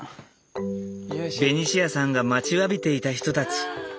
ベニシアさんが待ちわびていた人たち。